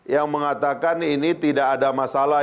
yang mengatakan ini tidak ada masalah